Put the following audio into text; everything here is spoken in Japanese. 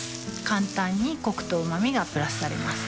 簡単にコクとうま味がプラスされます